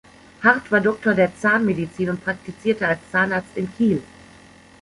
Hart war Doktor der Zahnmedizin und praktizierte als Zahnarzt in Kiel.